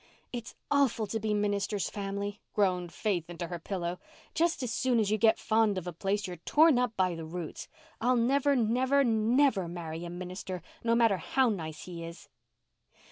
"It's awful to be minister's family," groaned Faith into her pillow. "Just as soon as you get fond of a place you are torn up by the roots. I'll never, never, never marry a minister, no matter how nice he is."